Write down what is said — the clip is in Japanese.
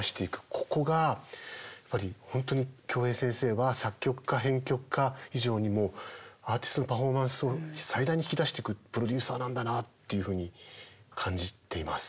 ここがやっぱり本当に京平先生は作曲家編曲家以上にアーティストのパフォーマンスを最大に引き出していくプロデューサーなんだなっていうふうに感じています。